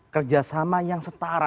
kerjasama yang setara